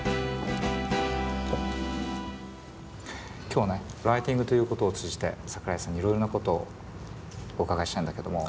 今日ねライティングということを通じて桜井さんにいろいろなことをお伺いしたいんだけども。